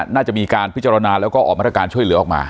น่าจะมีการพิจารณาแล้วก็ออกมาตรการช่วยเหลือออกมา